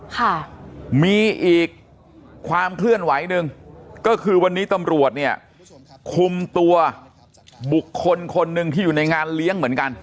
ค่ะมีอีกความเคลื่อนไหวหนึ่งก็คือวันนี้ตำรวจเนี่ยคุมตัวบุคคลคนหนึ่งที่อยู่ในงานเลี้ยงเหมือนกัน